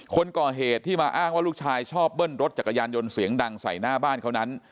คนก่อเหตุที่มาอ้างว่าลูกชายชอบเบิ้ลรถจักรยานยนต์เสียงดังใส่หน้าบ้านเขานั้น